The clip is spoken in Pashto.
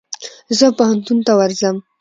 زه پوهنتون ته ورځم.